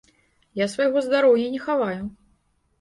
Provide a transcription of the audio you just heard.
Я свайго здароўя не хаваю.